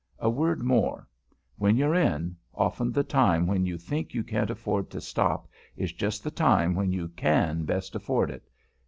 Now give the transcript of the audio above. A word more: when you're in, often the time when you think you can't afford to stop is just the time when you can best afford it.